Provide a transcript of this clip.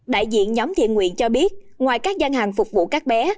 đại diện nhóm thiện nguyện cho biết ngoài các gian hàng phục vụ các bé